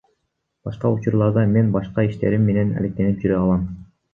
Башка учурларда мен башка иштерим менен алектенип жүрө алам.